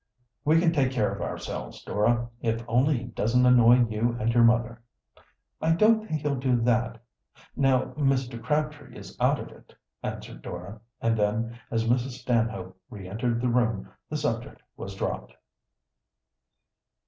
"We can take care of ourselves, Dora. If only he doesn't annoy you and your mother." "I don't think he'll do that now Mr. Crabtree is out of it," answered Dora, and then, as Mrs. Stanhope re entered the room, the subject was dropped.